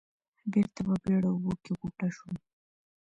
بېرته په بېړه اوبو کې غوټه شوم.